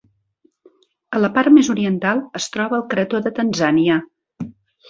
A la part més oriental es troba el crató de Tanzània.